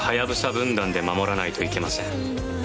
分団で守らないといけません。